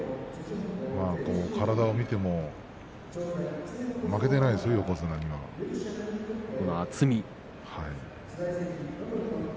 体を見ても負けていないですよ、横綱には。